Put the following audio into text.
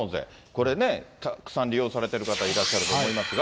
これね、たくさん利用されている方いらっしゃると思いますが。